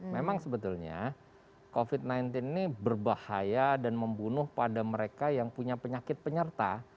memang sebetulnya covid sembilan belas ini berbahaya dan membunuh pada mereka yang punya penyakit penyerta